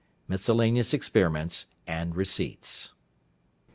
Miscellaneous Experiments and Receipts.